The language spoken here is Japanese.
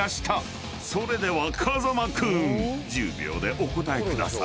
［それでは風間君１０秒でお答えください］